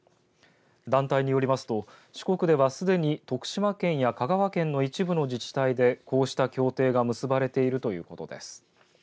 団体によりますと四国ではすでに徳島県や香川県の一部の自治体でこうした協定が結ばれているということです。